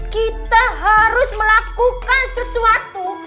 kita harus melakukan sesuatu